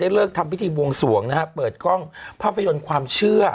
เลิกทำพิธีบวงสวงนะฮะเปิดกล้องภาพยนตร์ความเชื่อ